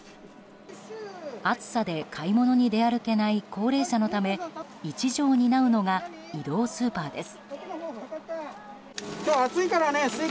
暑さで買い物に出歩けない高齢者のため一助を担うのが移動スーパーです。